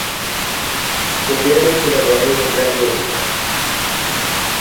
Collemos o derradeiro tren do día.